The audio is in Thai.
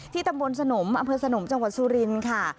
ตำบลสนมอำเภอสนมจังหวัดสุรินทร์ค่ะ